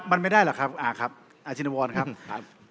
มันไม่ได้หรอกครับอาชินวรครับ